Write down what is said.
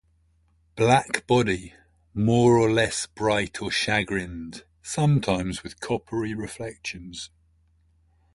Black body, more or less bright or chagrined, sometimes with coppery reflections.